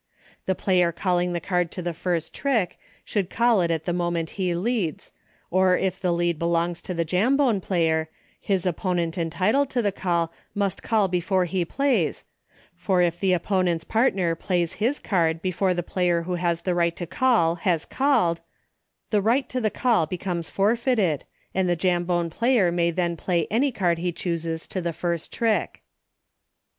The player calling the card to the first trick should call it at the moment he leads, or if the lead /belongs to the Jambone player, his opponent entitled to the call must call before he plays, for if the opponent's partner plays his card before the player who has the right to call has called, the right to the call becomes forfeited, and the Jambone player may then play any card he chooses to the first trick.